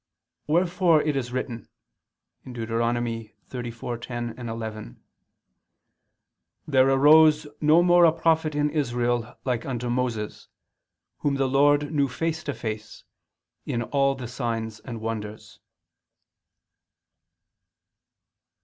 Wherefore it is written (Deut. 34:10, 11): "There arose no more a prophet in Israel like unto Moses, whom the Lord knew face to face, in all the signs and wonders."